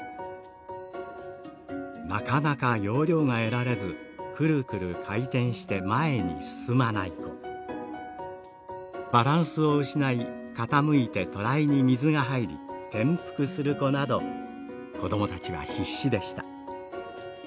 なかなか要領が得られずくるくる回転して前に進まない子バランスを失い傾いてたらいに水が入り転覆する子など子供たちは必死でした。